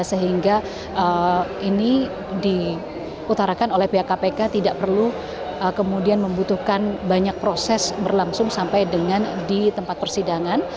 sehingga ini diutarakan oleh pihak kpk tidak perlu kemudian membutuhkan banyak proses berlangsung sampai dengan di tempat persidangan